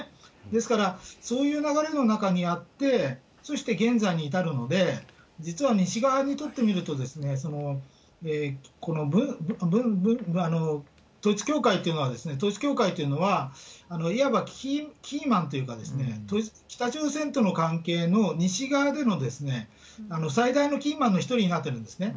ですから、そういう流れの中にあって、そして現在に至るので、実は西側にとって見ると、この統一教会っていうのは、いわばキーマンというか、北朝鮮との関係の、西側での最大のキーマンの一人になってるんですね。